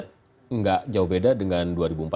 tidak jauh beda dengan dua ribu empat belas